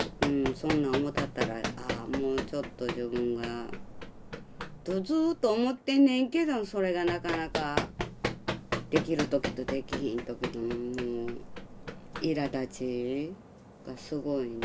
そんなおもたったら「ああもうちょっと自分が」とずっと思ってんねんけどそれがなかなかできる時とできひん時とうんいらだちがすごいね。